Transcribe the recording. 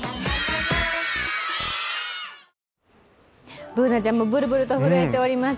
Ｂｏｏｎａちゃんもブルブルと震えています。